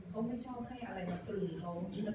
เขาไม่ชอบให้อะไรมาปลืืนเขา